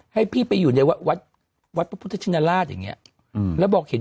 ให้พี่ไปอยู่ในวัดวัดพระพุทธชินราชอย่างเงี้ยอืมแล้วบอกเห็น